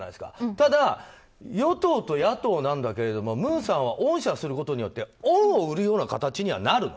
ただ、与党と野党なんだけれども文さんは恩赦をすることで恩を売るような形にはなるの？